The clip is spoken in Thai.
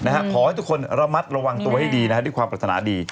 ขอให้ทุกคนระมัดระวังตัวให้ดีนะฮะด้วยความปรัฐนาดี